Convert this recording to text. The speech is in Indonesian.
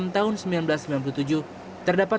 tahun seribu sembilan ratus sembilan puluh tujuh terdapat